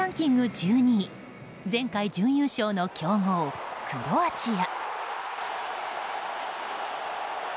１２位前回準優勝の強豪クロアチア。